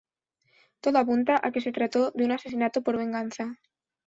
Todo apunta a que se trató de un asesinato por venganza.